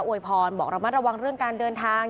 วยพรบอกระมัดระวังเรื่องการเดินทาง